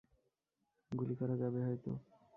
গুলি করা যাবে হয়তো।